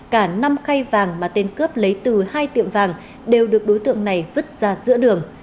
cả năm khay vàng mà tên cướp lấy từ hai tiệm vàng đều được đối tượng này vứt ra giữa đường